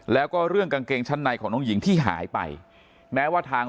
แล้วก็เรื่องกางเกงชั้นในของน้องหญิงที่หายไปแม้ว่าทาง